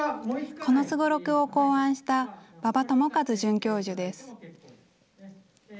このすごろくを考案した馬場智一准教授です。